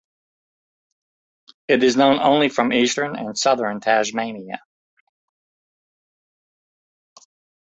It is known only from eastern and southern Tasmania.